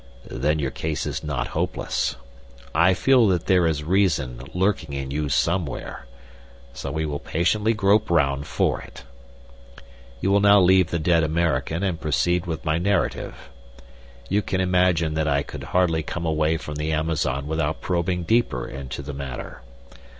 "Then your case is not hopeless. I feel that there is reason lurking in you somewhere, so we will patiently grope round for it. We will now leave the dead American and proceed with my narrative. You can imagine that I could hardly come away from the Amazon without probing deeper into the matter.